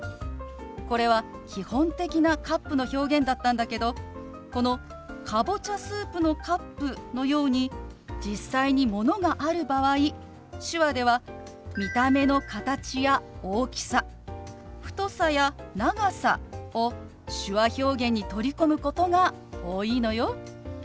これは基本的な「カップ」の表現だったんだけどこのかぼちゃスープのカップのように実際にものがある場合手話では見た目の形や大きさ太さや長さを手話表現に取り込むことが多いのよ。